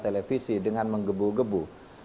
televisi dengan menggebu gebu